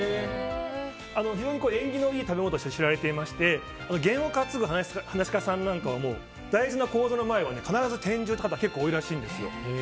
非常に縁起のいい食べ物として知られていまして験を担ぐ噺家さんなんかは大事な高座の前は必ず天重という方結構多いらしいんですよ。